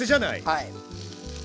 はい。